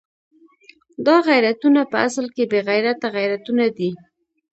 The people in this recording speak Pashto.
دا غیرتونه په اصل کې بې غیرته غیرتونه دي.